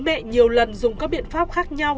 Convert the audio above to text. bố mẹ nhiều lần dùng các biện pháp khác nhau